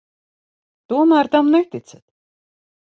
Tomēr tam neticat?